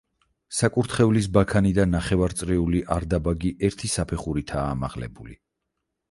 საკურთხევლის ბაქანი და ნახევარწრიული არდაბაგი ერთი საფეხურითაა ამაღლებული.